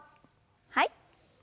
はい。